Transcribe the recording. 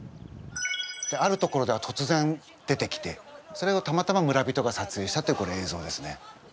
ある所ではとつぜん出てきてそれをたまたま村人が撮影したというこれ映像ですね。